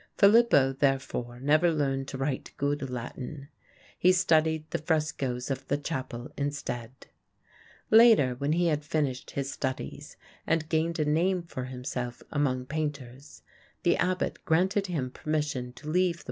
Filippo, therefore, never learned to write good Latin. He studied the frescos of the chapel instead. Later, when he had finished his studies and gained a name for himself among painters, the abbot granted him permission to leave the monastery in order to give his genius full scope.